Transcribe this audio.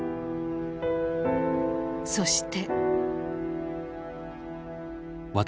そして。